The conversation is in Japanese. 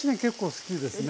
好きですね。